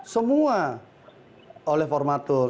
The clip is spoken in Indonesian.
semua oleh formatur